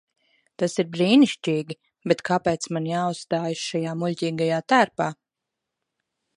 Tas ir brīnišķīgi, bet kāpēc man jāuzstājas šajā muļķīgajā tērpā?